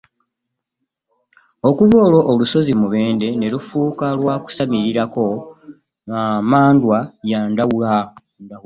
Okuva olwo olusozi Mubende ne lufuuka lwa kusamirirako mmandwa ya Ndahura.